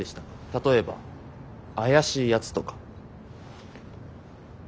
例えば怪しいやつとか。